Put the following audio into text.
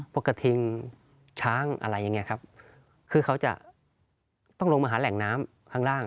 กระทิงช้างอะไรอย่างนี้ครับคือเขาจะต้องลงมาหาแหล่งน้ำข้างล่าง